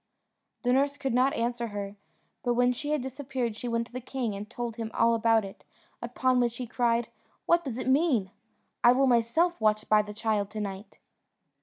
The nurse could not answer her; but when she had disappeared she went to the king, and told him all about it, upon which he cried, "What does it mean? I will myself watch by the child to night."